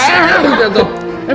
emang luar biasa